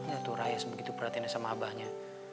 gatuh raya begitu perhatiannya sama abahnya